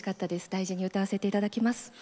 大事に歌わせていただきます。